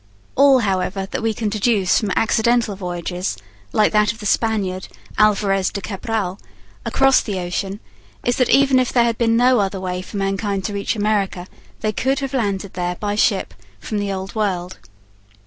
All, however, that we can deduce from accidental voyages, like that of the Spaniard, Alvarez de Cabral, across the ocean is that even if there had been no other way for mankind to reach America they could have landed there by ship from the Old World.